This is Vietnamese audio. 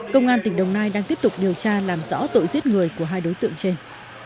công an tỉnh đồng nai đang tiếp tục điều tra làm rõ tội giết người của hai đối tượng trên